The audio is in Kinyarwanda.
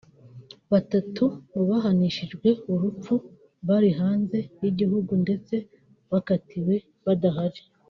Batatu mu bahanishijwe urupfu bari hanze y’igihugu ndetse bakatiwe badahari